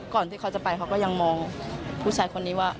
ที่เขาจะไปเขาก็ยังมองผู้ชายคนนี้ว่า